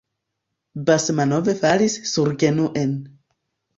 Basmanov falis surgenuen.